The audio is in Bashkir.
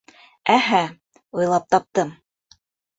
Ә-һә, уйлап таптым.